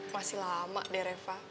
masih lama deh reva